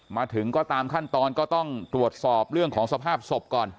มาถึงก็ตามขั้นตอนก็ต้องตรวจสอบเรื่องของสภาพศพก่อน